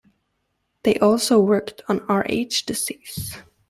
They also worked on Rh disease.